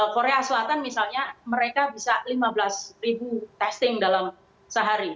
korea selatan misalnya mereka bisa lima belas ribu testing dalam sehari